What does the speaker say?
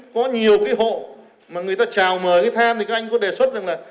có nhiều cái hộ mà người ta trào mời cái than thì các anh có đề xuất rằng là